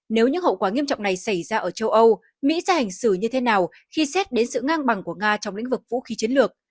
nếu những hậu quả nghiêm trọng này xảy ra ở châu âu mỹ ra hành xử như thế nào khi xét đến sự ngang bằng của nga trong lĩnh vực vũ khí chiến lược